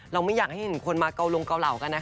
ไม่อยากให้เห็นคนมาเกาลงเกาเหล่ากันนะคะ